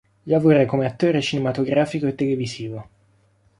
Lavora come attore cinematografico e televisivo.